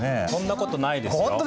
そんなことないですよ。